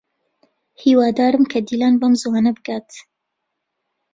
هیوادارم کە دیلان بەم زووانە بگات.